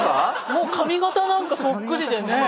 もう髪型なんかそっくりでね。